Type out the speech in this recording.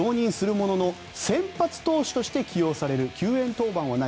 ものの先発投手として起用される救援登板はない。